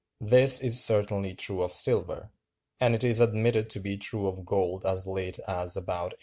This is certainly true of silver; and it is admitted to be true of gold as late as about 1865.